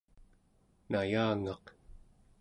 nayangaq